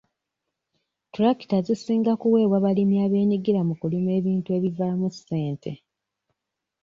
Ttulakita zisinga kuweebwa balimi abeenyigira mu kulima ebintu ebivaamu ssente.